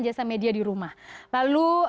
jasa media di rumah lalu